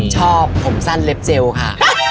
ชอบผมสั้นเล็บเซลล์ค่ะ